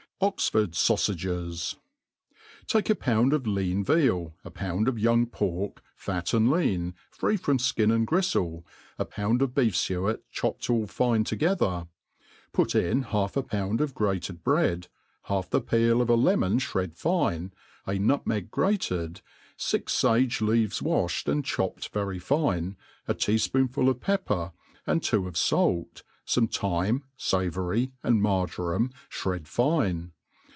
Oxford Saufages. • TAItE a pound of lean veal, a pound of youfigvpork9 fatr and Itan, U^^ from flciiit and griftle, a pound of beef Aief^ chopt all fine together ; put in half a pound of grated bread^ half the peel of a lemon ihred fine, a nutmeg grated,, fix fage leaves wafhed and chopped very fine, a tea fpoonful of pepper^ and two of falfy fome thyme, favory,, and marpram, {fared fine.